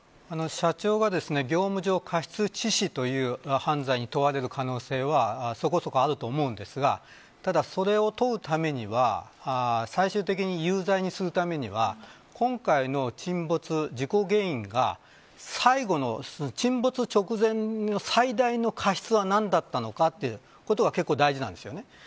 社長が業務上過失致死という犯罪に問われる可能性はそこそこあると思うんですがただ、それを問うためには最終的に有罪にするためには今回の沈没事故原因が沈没直前の最大の過失は何だったのかということが結構、大事なんです。